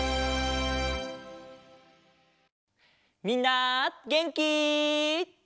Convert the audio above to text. みんなげんき？